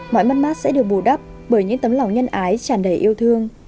mọi mắt mắt sẽ được bù đắp bởi những tấm lòng nhân ái chẳng đầy yêu thương